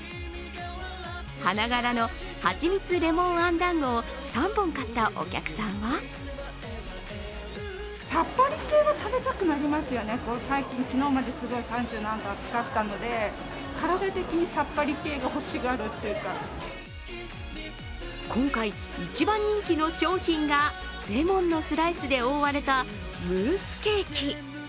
花柄のはちみつレモンあん団子を３本買ったお客さんは今回、一番人気の商品がレモンのスライスで覆われたムースケーキ。